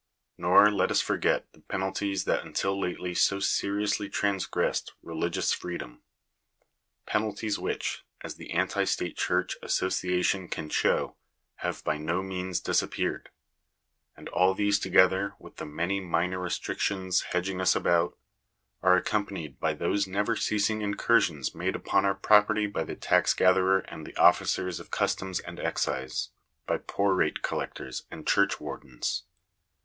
Nor let us forget the penalties that until lately so seriously transgressed religious freedom — penalties which, as the Anti State Church Association can show, have by no means disappeared. And all these, together with the many minor restrictions hedging us about, are accompanied by those never ceasing incursions made upon our property by the tax gatherer and the officers of customs and excise, by poor rate collectors and churchwardens.